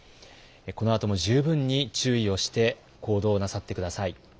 このあとも十分に注意をして、行動なさってください。